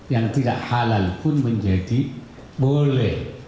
yang tidak halal pun menjadi boleh